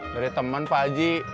dari temen fadji